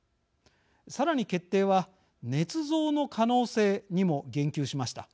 さらに、決定はねつ造の可能性にも言及しました。